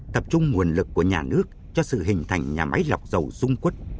tập trung nguồn lực của nhà nước cho sự hình thành nhà máy lọc dầu dung quất